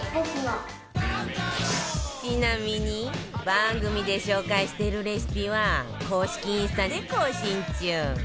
ちなみに番組で紹介してるレシピは公式インスタで更新中